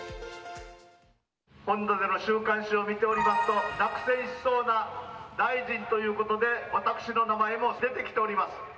本土での週刊誌を見ておりますと、落選しそうな大臣ということで、私の名前も出てきております。